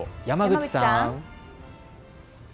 山口さん。